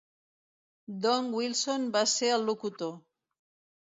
Don Wilson va ser el locutor.